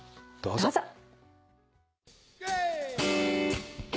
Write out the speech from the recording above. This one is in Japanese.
どうぞ。